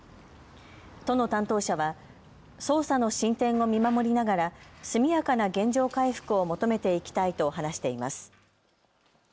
都の担当者は捜査の進展を見守りながら速やかな原状回復を求めていきたいと話しています。